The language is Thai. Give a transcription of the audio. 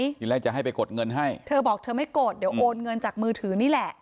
ทีแรกจะให้ไปกดเงินให้เธอบอกเธอไม่กดเดี๋ยวโอนเงินจากมือถือนี่แหละ